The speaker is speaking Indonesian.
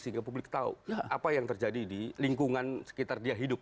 sehingga publik tahu apa yang terjadi di lingkungan sekitar dia hidup